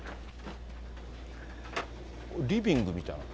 リビングみたい。